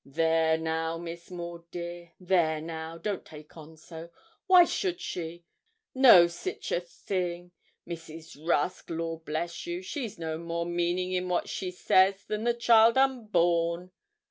'There now, Miss Maud, dear there now, don't take on so why should she? no sich a thing. Mrs. Rusk, law bless you, she's no more meaning in what she says than the child unborn.'